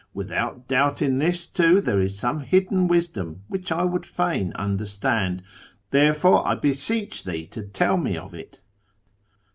Without doubt, in this, too, there is some hidden wisdom which I would fain understand, there fore I beseech thee to tell me of it.